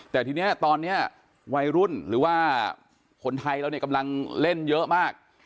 แต่ทีนี้ตอนนี้วัยรุ่นหรือว่าคนไทยเราเนี่ยกำลังเล่นเยอะมาก